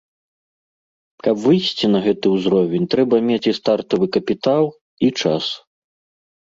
Каб выйсці на гэты ўзровень трэба мець і стартавы капітал, і час.